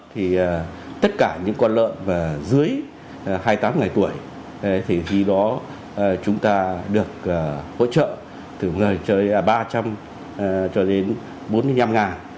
thì tất cả những con lợn dưới hai mươi tám ngày tuổi thì khi đó chúng ta được hỗ trợ từ ba trăm linh cho đến bốn mươi năm